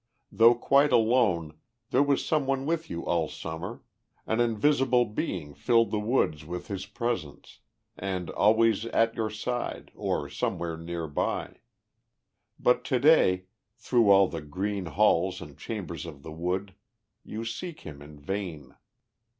Though quite alone, there was some one with you all Summer, an invisible being filling the woods with his presence, and always at your side, or somewhere near by. But to day, through all the green halls and chambers of the wood, you seek him in vain.